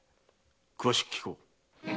詳しく聞こう。